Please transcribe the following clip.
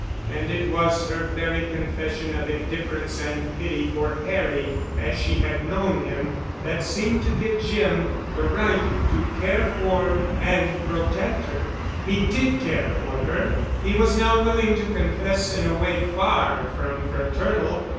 And it was her very confession of indifference and pity for Harry as she had known him, that seemed to give Jim the right to care for and protect her. He did care for her, he was now willing to confess in a way far from fraternal.